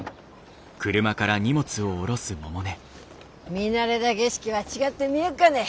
見慣れだ景色は違って見えっかねえ。